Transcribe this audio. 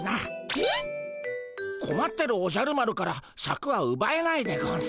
ピ？こまってるおじゃる丸からシャクはうばえないでゴンス。